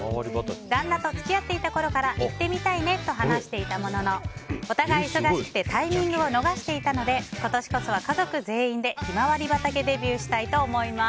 旦那と付き合っていたころから行ってみたいねと話していたもののお互い忙しくてタイミングを逃していたので今年こそは家族全員でひまわり畑デビューしたいと思います。